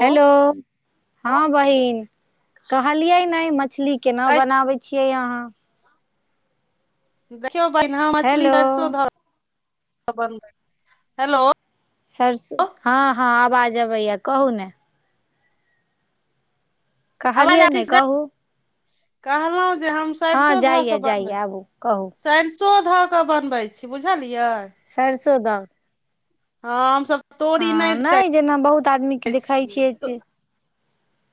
Hello हँ बहिन कहलियै ने मछली केना बनाबै छियै अहाँ देखियौ बहिना मछली हेलो सरिसो ध कऽ बनबै हेलो सरसो हँ हँ आवाज अबैया कहू ने आवाज कहलियै आ ने ठीकसे कहू कहलहुँ जे हम हँ सरिसो धऽ जाइया केऽ बनबै जाइया आबू कहू सरिसो धऽ कऽ बनबैत छी बुझलियै सरसो दऽ हँ हमसभ हँ तोरी नहि जेना बहुत आदमी के देखै छियै जे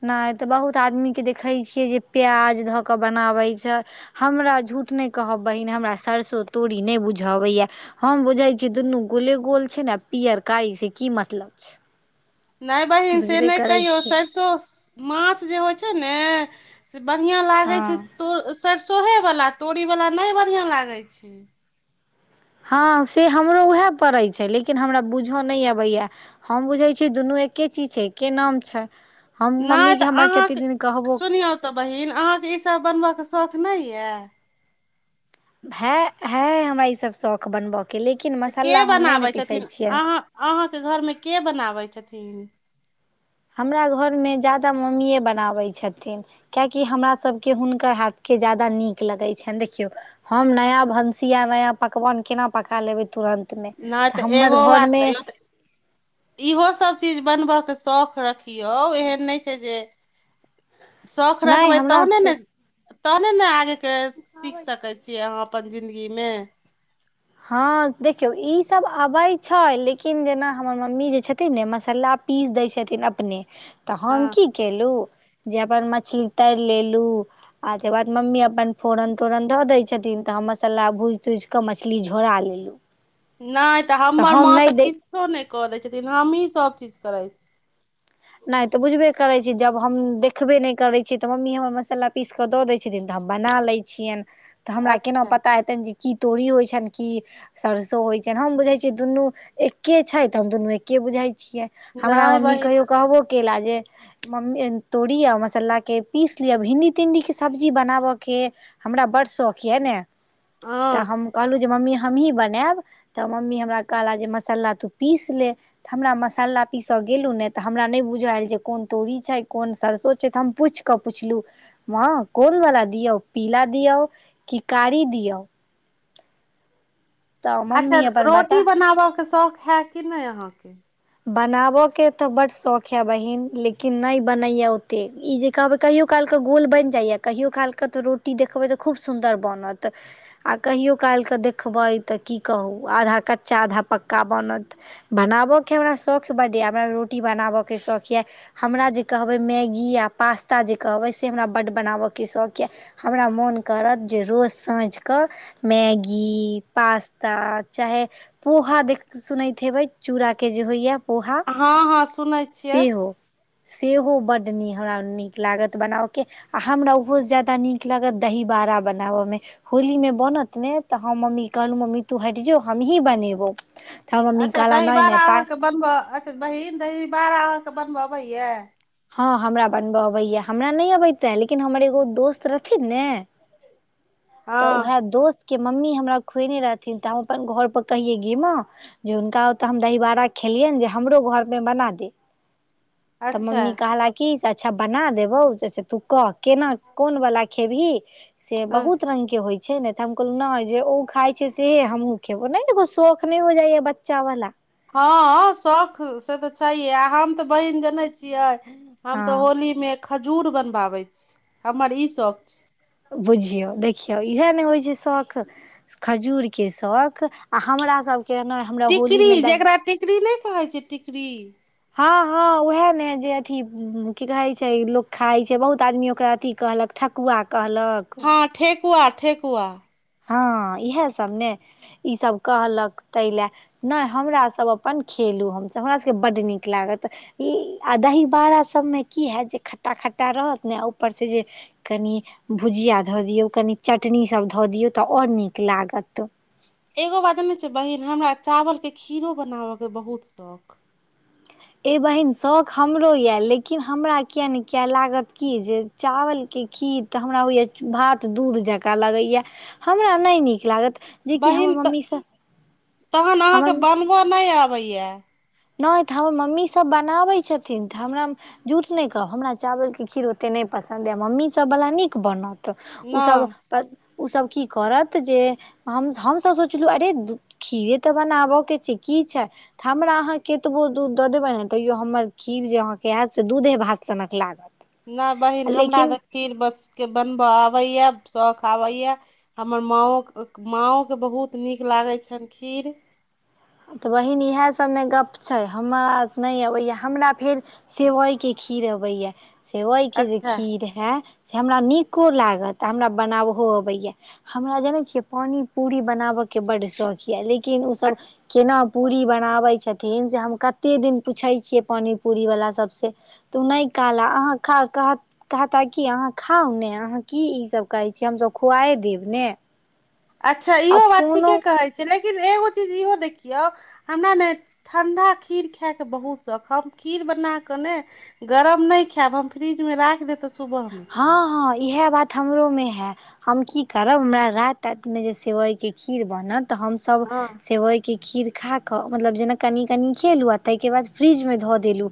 नहि तऽ बहुत आदमी के देखे छियै जे प्याज धऽ के बनाबे छै हमरा झूठ नहि कहब बहीन हमरा सरसो तोरी नहि बुझ अबैए हम बुझै छियै दुनू गोले गोल छै ने पियर कारी से की मतलब छै नहि बहिन से बुझबे नहि करै कहियौ छियै सरिसो माछ जे होइ छै ने से बढ़ियां लागे छै हँ तो सरसोहे वाला तोरी वाला नहि बढ़ियां लागे छै हँ से हमरो उएह पड़ैत छै लेकिन हमरा बुझऽ नहि अबैए हम बुझै छीयै दुनू एके चीज छै एके नाम छै हम नहि मम्मी तऽ के हमर कते अहाँके दिन कहबो सुनियौ तऽ बहिन अहाँके ई सब बनबऽके शौख नहि यऽ हय हय हमरा ईसभ शौक बनबय के लेकिन तऽ के मसाला हम नहि ने बनाबै पीसै छथिन छियै अहाँ अहाँके घरमे के बनाबै छथिन हमरा घर में जादा मम्मीए बनाबै छथिन कियाकि हमरासबके हुनकर हाथके ज्यादा नीक लगैत छनि देखियौ हम नया भनसीया आ नया पकवान केना पका लेबै तुरन्त नहि त एगो बात कहियो इहो सभ चीज बनबयके शौक रखियौ एहन नहि छै जे [unintelligible] शौक नहि रखबै तहने ने हमरा तहने ने आगेके सीख सकैत छियै अहाँ अपन जिंन्दगीमे हँ देखियौ ई सब अबैत छै लेकिन जेना हमर मम्मी जे छथिन ने मसल्ला पीस दै छथिन अपने तऽ हम हँ की केलहुँ जेबर मछली तर लेलू आ तकर बाद मम्मी अपन फोरन तोरन धऽ दय छथिन तऽ हम मसाला भूज तूज कऽ मछली छली झोरा लेलु नहि तऽ हमर माँ तऽ किछो नहि कऽ दैत छथिन हमहीँ सभचीज करैत छी नहि तऽ बुझबे करै छी जब हम देखबे नहि करै छियै तऽ मम्मी हमर मसाला पिस क द दैत छथिन तऽ हम बना लै छियनि तँ हमरा केना अच्छा पता हेतै जे की तोरी होइ छनि की सरसो होइ छ हम बुझे छिय दुनू एके छै त हम दुनू एके बुझाय छियै हमरा नहि मम्मी बहिन कहियो कहबो केला जे मम्मी तोड़िऽ मसालाके पीस लिअ भिणडी तिणडीके सब्जी बनाबयके हमरा बड़ शौक यऽ ने हँ तऽ हम कहलहुँ जे मम्मी हमहीँ बनायब त मम्मी हमरा कहला जे मसाला तू पीस ले तऽ हमरा मसाला पीसय गेलहुँ ने तऽ तऽ हमरा नहि बुझय आयल जे कोन तोरी छै कोन सरसो छै तऽ हम पुछि कऽ पुछलहुँ माँ कोनवला दियौ पीला दियऔ कि कारी दिऔ तऽ अच्छा मम्मी अपन रोटी बता बनाबयके शौक ह कि ने अहाँके बनाबय के त बड शौक ये बहिन लेकिन नहि बनय ओते ई जे कहबे कहियो कालके गोल बनि जाइए कहियो काल के त रोटी देखबै त खूब सुन्दर बनत आ कहियो कालहिकेऽ देखबै तऽ की कहू आधा कच्चा आधा पक्का बनत बनाबय के हमरा शौख बड्ड यऽ हमरा रोटी बनाबय के शौख यऽ हमरा जे कहबै मैगी आ पास्ता जे कहबै से हमरा बड्ड बनाबयके शौक यए हमरा मोन करत जे रोज साँझकेँ मैगी पास्ता चाहे पोहा देख सुनैत हेबै चूड़ा के के जे होइया पोहा हँ हँ सुनै छियै सेहो सेहो बड्ड नीक हमरा नीक लागत बनाबके आ हमरा ओहोसँ ज्यादा नीक लागत दहीबड़ा बनाबयमे होलीमे बनत ने तऽ हम मम्मी कहलहु मम्मी तू हटि जो हमही बनेबौ हमर मम्मी अच्छा कहला नहि नहि दहीबाड़ा पा अहाँके बनबऽ अच्छा बहीन दहीबड़ा अहाँके बनबऽ अबैया हँ हमरा बनबऽ अबैया हमरा नहि अबैते लेकिन हमर एगो दोस्त रहथिन ने तऽ हँ उएह दोस्त के मम्मी हमरा खुएने रहथिन तऽ हम अपन घर पर कहिै गे मा जे हुनका ओतऽ हम दहीबड़ा खेलियै जे हमरो घर मे बना दे तऽ अच्छा मम्मी कहलकि से अच्छा बना देबौा तू कह केना कोन वला खेबही से बहुत रंग के होय छै छै नहि त हम कहलहुँ नहि जे ओ खाइ छै से हमहूँ खेबौ नहि तो शौख नहि हो जाइय बच्चावाला हँ शौख से तऽ छैहे आ हम तऽ बहिन ज नहि छियै हम त हँ होली में खजूर बनबाबै छीये हमर ई शौक छै बुझियौ देखियौ इएह ने होइ छै शौख खजूरके शौख आओर हमरा सभके ने हमरा होली मे दही टिकड़ी नहि कहै छिये टिकड़ी। हँ हँ उएह ने जे अथी की कहैत छै। लोक खाइ छै। बहुत आदमी ओकरा अथि कहलक ठकुआ कहलक। हँ, ठेकुआ ठेकुआ। हँ इएह सभ ने ईसभ कहलक ताहि ले ने हमरा सभ अपन खेलहुँ, हमसभ हमरा सभके बड्ड नीक लागत। आ दही बड़ा सभमे की होइत जे खट्टा खट्टा रहत ने आ ऊपरसँ जे कनि भुजिया धऽ दियौ, कनि चटनीसभ धऽ दियौ तऽ आओर नीक लागत। एगो बात नहि छै बहिन, हमरा चावलके खीर बनाबयके बहुत शौख अछि। एहि बहिन, शौख हमरो यऽ, लेकिन हमरा किए नहि कियऽ लागत की जे चावलके खीर तऽ हमरा होइए भात दूध जेकाँ लगैए। हमरा ने नीक लागत। जेकि बहिन हमर तऽ मम्मी सब तहन अहाँके हमर बनवा नहि आबै यौ नहि तऽ हमर मम्मीसभ बनाबै छथिन। तऽ हमरा झुठ नहि कहब हमरा चावल के खीर ओते ने पसन्द यए मम्मीसभवला नीक बनत तऽ ओसभ नहि ओसभ की करत जे हम हमसभ सोचलहु अरे खीरे तऽ बनाबय के छै। की छैऽ हमरा अहाँ कतबो दूध दऽ देबै ने त हमर खीर जे अहाँके आयत से दूधे भात सनक लागत। नहि बहिन हमरा लेकिन बस खीर बसके बनबय आबैए शौख आबैए हमर माँओ माँओ बहुत नीक लागै छनि खीर त बहीन इएह सभमे गप्प छै। हमरा नहि अबैए हमरा फेर सेवई के खीर अबैय। सेवई के जे अच्छा खीर हैं हमरा नीको लागत आ हमरा बनाबहो अबैय हमरा जनै छियै पानी पूरी बनाबयके बड्ड शौक यए। लेकिन ओसभ जेना पूरी बनाबै छथिन। से हम कते दिन पूछै छियै पानी पूरी वाला सबसँ तू ने कहला अहाँ खा कात कहता कि अहाँ खाउ ने अहाँ की ईसभ कहै छियै। हमसभ खुआए देब ने अच्छा आ इहो बात ठीके फोनो कहै छै। लेकिन एगो चीज इहो देखियौ हमरा ने ठण्ढा खीर खायके बहुत शौख छै खीर बना क ने गरम नहि खायब हम फ्रिज मे राख दे हँ हँ इएह बात हमरोमे हय हम की करब हमरा राति रातिमे जे सेवइके खीर बनत तऽ हम सभ हँ सेवई के खीर खा कऽ मतलब जेना कनि कनि खलहुँ आ ताहिके बाद फ्रिजमे धऽ देलहुँ।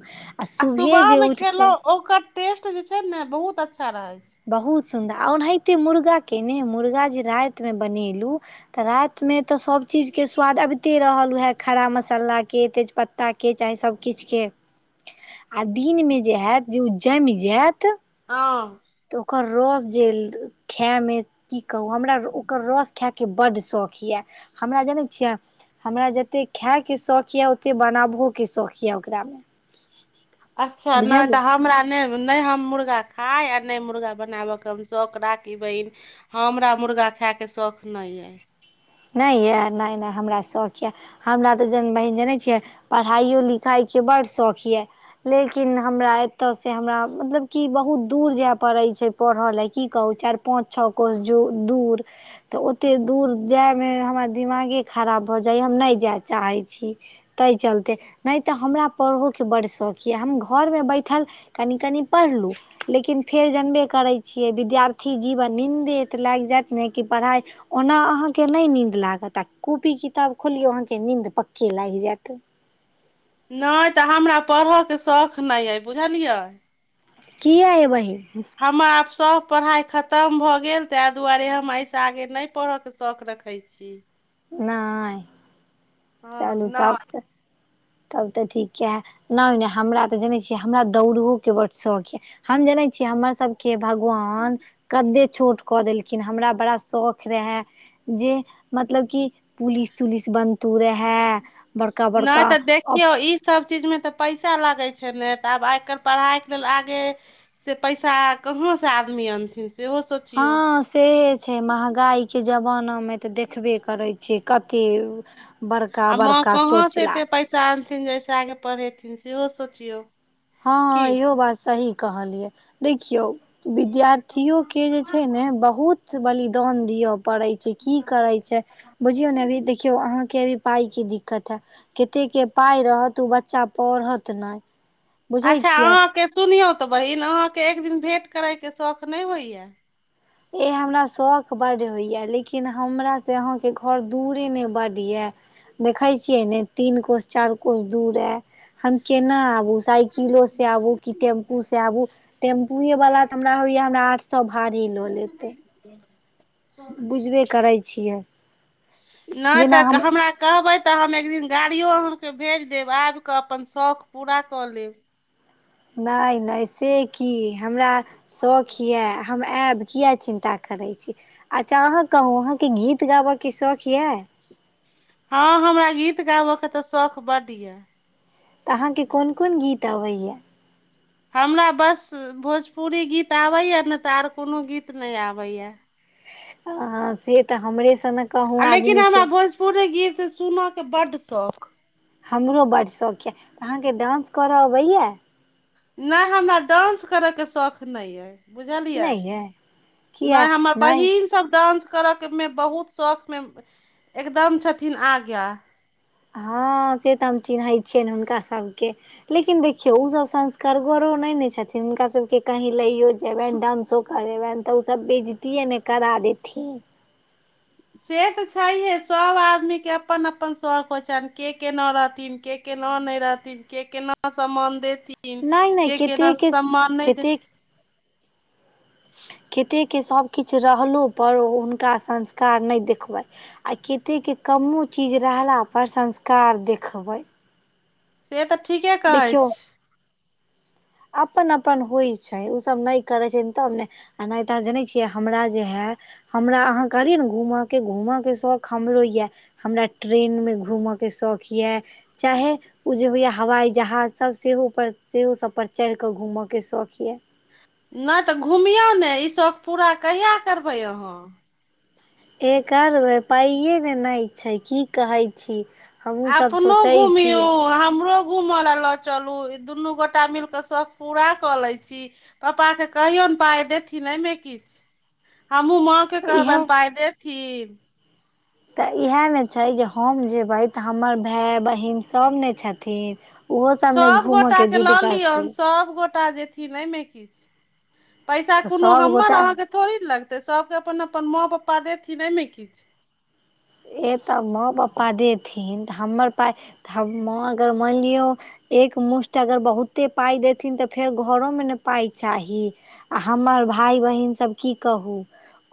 आ सुबहे सुबह जे में उठि खेलो कऽ ओकर टेस्ट जे छै। ने बहुत अच्छा रहे बहुत सुन्दर ओनाहिते मुर्गा केने मुर्गा जे रातिमे बनेलहुँ। तऽ रातिमे तऽ सभ चीजके स्वाद अबी कते रहल उएह खरा मसाला के तेजपत्ता के चाहे सभ किछ के आ दिन मे जे हयत जे उज्जैमे जे हयत हँ तऽ ओकर रस जे खायइमे की कहू हमरा ओकर रस खायके बड्ड शौक यए हमरा जनै छियै। हमरा जतेक खाायके शौख यऽ। ओते बनाबोके शौख यऽ। ओकरामे अच्छा नहि तऽ बुझलियै हमरा ने हम मुर्गा खाए ओर ने मुर्गा बनाब के हम शौक राखी बहिन। हँ हमरा मुर्गा खायके शौख नहि अइ नहि यऽ नहि नहि हमरा शौख यऽ। हमरा त जेन बहीन जनै छियै पढ़ाइओ लिखाइके बड शौक यौ लेकिन हमरा एतसँ हमरा मतलब कि बहुत दूर जाय पड़ै छै। पढ़ लए की कहूँ चार पाँच छःकोस जो दूर त ओते दूर जाइमे हमर दिमागे खराब भऽ जाइए हम नहि जाइ चाहै छी ताहि चलते नहि तऽ हमरा पढ़ोके बड्ड शौक अइ हम घरमे बैठल कानि कानि पढ़लु लेकिन फेर जनबे करै छियै विद्यार्थी जीवन नन्दे तऽ लागि जायत नहि कि पढ़ाइ ओना अहाँके नहि नीन्द लागत आ कॉपी किताब खोलियौ अहाँके नीन्द पक्के लागि जायत नहि तऽ हमरा पढ़यके शौख नहि अइ बुझलियै किआ ए बहीन हमर आब सभ पढ़ाइ खतम भऽ गेल ताहि दुआरे हम एहिसँ आगे नहि पढ़ऽके शौख रख करै छी नहि हँ चालू तब नहि त तब तऽ ठीक य नहि नहि हमरा तऽ जनैत छियै हमरा दौड़ोके बड्ड शौक यए हम जनै छियै हमर सभके भगवान कद्दे छोट कऽ देलखिन हमरा बड़ा शौख रहए जे मतलब कि पुलिस तुलिस बनतू र है बड़का बड़का यौ ई सब चीज मे तऽ पैसा लागै छै ने तऽ आब आइ काल्हि पढ़ाइ के लेल आगे से पैसा कहाँ से आदमी अनथिन सेहो सो हँ से छै महगाई के जमानामे तऽ देखबे करै छियै कते बड़का बड़का चोचला चाहानथिन जैसे आगे पढ़ेथिन सेहो सोचियौ की हँ इहो बात सही कहल य देखियौ विद्यार्थियो के जे छै ने बहुत बलिदान दिय पड़ै छै की करै छै बुझियौ ने अभी देख देखियौ अहाँके अभी पाइके दिक्कत हैत कते के पाय रहत ओ बच्चा पढ़त नहि बुझै अच्छा छियै अहाँके सुनियौ तऽ बहिन अहाँके एक दिन भेँट करैके शौख नहि होइए ए हमरा शौक बड्ड होइए लेकिन हमरासँ अहाँके घर दूरे नहि बड्ड यए देखैत छियै ने तीन कोश चारि कोश दूर अ हम केना आबू साइकिलोसँ आबू कि टेम्पूसँ आबू टेम्पूए वाला तऽ हमरा होइया हमरा आठ सए भारी ललेत ै बुझबे करै छियै [inaudible] नहि जेना तऽ हम हमरा कहबै तऽ हम एक दिन गाड़ियो अहाँके भेज देब आबि कऽ अपन शौक पूरा कऽ लेब नहि नहि से की हमरा शौख यऽ हम आएब किए चिन्ता करै छी अच्छा अहाँ कहू अहाँके गीत गाबऽके शौख यऽ हँ हमरा गीत गाबय के तऽ शौख बड्ड ये तऽ अहाँके कोन कोन गीत अबैया हमरा बस भोजपुरी गीत आबैए नहि तऽ आर कोनो गीत नहि आबैए आ से तऽ हमरे स ने आ लेकिन हमरा भोजपुरी गीत सुनयके बड्ड शौक हमरो बड्ड शौक यऽ तऽ अहाँके डा्स करऽ अबैया नहि हमरा डान्स करयके शौख नहि अइ बुझलियै नहि यै किया नहि हमर नहि बहिन सब डानंस करऽ के मे बहुत शौख मे एकदम छथिन आगा हँ से तऽ हम चिन्हैत छियनि हुनका सभके लेकिन देखियो ओसभ संस्कार गोरो नहि ने छथिन हुनका सबके कहीं लैयो जेबनि डानंसो करेबनि तऽ ओसभ बेजतिये ने करा देथिन से तऽ छैहे सभ आदमी के अपन अपन शौक हो छन के केना रहथिन के केना नहि रहथिन के केना सम्मान देथिन नहि नहि के केना कतेके सम्मान नहि कतेक देथिन केतेके सबकिछु रहलो पर हुनका संस्कार नहि देखबै आ कतेक कम्मो चीज रहलाप संस्कार देखबै से तऽ ठीके कहै देखियौ छै अपन अपन होइ छै इसभ नहि करै छै तब ने आ नहि तऽ जनैत छियै हमरा जे हए हमरा अहाँ कहलियै ने घूम के घूमय के शौख हमरो यए हमरा ट्रेन मे घूमय के शौक यए चाहे ओ जे होइया हवा जहाज सब सेहो पर सेहो सब पर चढिकऽ घूमऽ के शौख ये नहि तऽ घुमियौ ने ई शौक पूरा कहिया करबै अहाँ ए करबै पाइे ने नहि छै की कहै छी हमहूँसभ अपनो सोचै छी घुमियौ हमरो घूम ले ला चलु दुनू गोटा मिल के शौख पूरा कऽ लै छी पापा के कहियो ने पाइ देथिन एहिमे की छै हमूँ माँ के इएह कहबनि पाय देथिन तऽ इएह ने छै जे हम जेबै तऽ हमर भाय बहिन सभ ने छथिन ओहो सब ने घूमऽ सभगोटा के जिद लऽ लियौन करथिन सभगोटा जेथिन एहिमे कि छै पैसा तऽ कोनो सब हमर गोटा अहाँके थोड़े ने लगतै सभके अपन अपन माँ पप्पा देथिन एहिमे कि छै ए तऽ माँ पप्पा देथिन तऽ हमर पाइ तऽ हम माँ अगर मानि लिय एक मुष्ठ अगर बहुते पाइ देथिन तऽ फेर घरोमे ने पाइ चाही आ हमर भाय बहिन सभ की कहू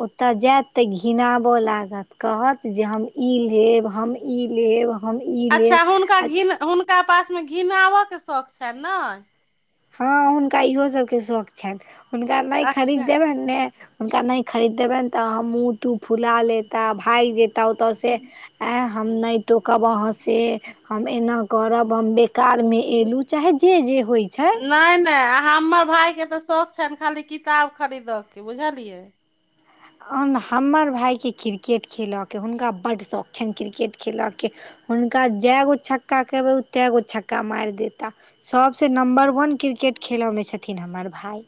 ओतऽ जायत तऽ घिनाबऽ लागत कहत जे हम ई लेब हम ई लेब हम ई अच्छा लेब हुनका आ घिन हुनका पासमे घिनाबऽके शौख छनि ने हँ हुनका इहो सब के शौख छनि हुनका नहि खरीद अच्छा देबनि ने हुनका नहि खरीद देबनि ने तऽ हमूँह तू फुला लेता भागि जेता ओतऽ से आ हम नहि टोकव अहाँ से हम एना करब हम बेकारमे अयलहुँ चाहे जे जे होइ छै नहि नहि आ हमर भााय के तऽ शौख छनि खाली किताब खरीदऽ के बुझलियै ओहन हमर भायके क्रिकेट खेलयके हुनका बड्ड शौक छनि क्रिकेट खेलयके हुनका जै गो छक्का कहबै ओ ते गो छक्का मारि देता सभसँ नम्बर वन क्रिकेट खेलयमे छथिन हमर भाय